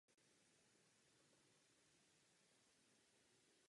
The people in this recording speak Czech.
Toto je pozměňovací návrh, který předkládáme.